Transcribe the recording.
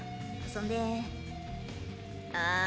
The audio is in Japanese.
そんであー